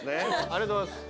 ありがとうございます。